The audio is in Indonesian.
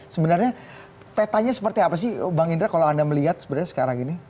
sebenarnya petanya seperti apa sih bang indra kalau anda melihat sebenarnya sekarang ini